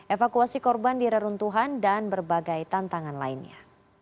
evakuasi korban di reruntuhan dan berbagai tantangan lainnya